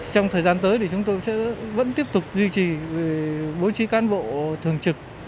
trong thời gian tới thì chúng tôi sẽ vẫn tiếp tục duy trì bố trí cán bộ thường trực